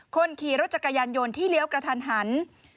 คนขี่รถจักรยานยนต์ที่เลี้ยวกระทันหัน